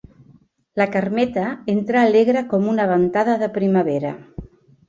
La Carmeta entrà alegre com una ventada de primavera.